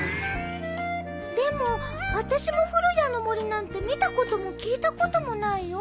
でも私もふるやのもりなんて見たことも聞いたこともないよ。